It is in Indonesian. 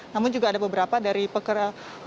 namun juga ada beberapa dari pekerja